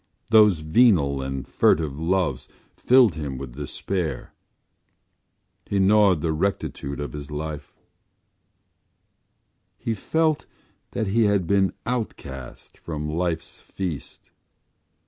Those venal and furtive loves filled him with despair. He gnawed the rectitude of his life; he felt that he had been outcast from life’s feast.